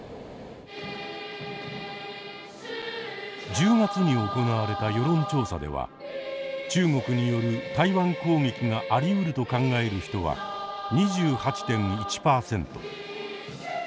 １０月に行われた世論調査では中国による台湾攻撃がありうると考える人は２８．１％。